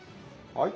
はい。